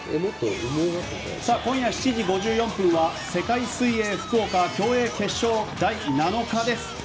今夜７時５４分は世界水泳福岡競泳決勝第７日です。